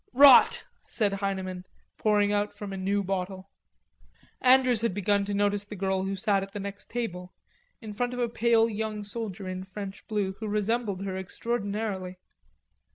"Rot!" said Heineman, pouring out from a new bottle. Andrews had begun to notice the girl who sat at the next table, in front of a pale young soldier in French blue who resembled her extraordinarily.